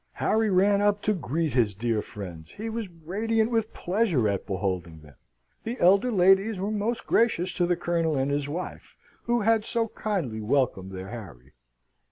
Harry ran up to greet his dear friends: he was radiant with pleasure at beholding them the elder ladies were most gracious to the Colonel and his wife, who had so kindly welcomed their Harry.